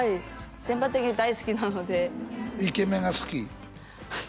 全般的に大好きなのでイケメンが好き？